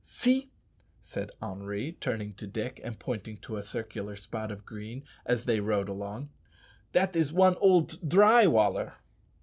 "See," said Henri, turning to Dick and pointing to a circular spot of green as they rode along, "that is one old dry waller."